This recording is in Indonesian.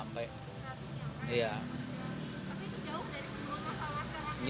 tapi itu jauh dari semua masa waktunya